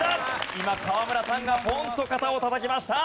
今河村さんがポンと肩をたたきました。